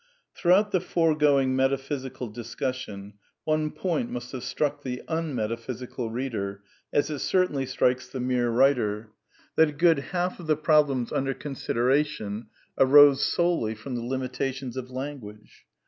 II Throughout the foregoing metaphysical discussion one point must have struck the unmetaphysical reader, as it certainly strikes the mere writer: that a good half of the problems under consideration arose solely from the limitations of language.